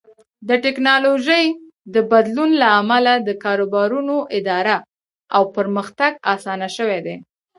د ټکنالوژۍ د بدلون له امله د کاروبارونو اداره او پرمختګ اسان شوی دی.